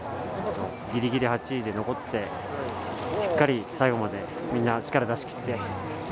ぎりぎりで８位で残ってしっかり最後までみんな力を出し切って。